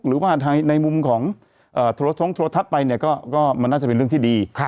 หรือว่าในมุมของโทรทงโทรทัศน์ไปเนี่ยก็มันน่าจะเป็นเรื่องที่ดี